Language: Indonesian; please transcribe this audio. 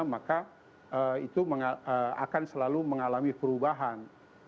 maka itu akan selalu mengalami perubahan